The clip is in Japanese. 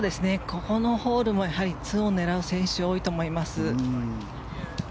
ここのホールも２オン狙う選手多いと思います。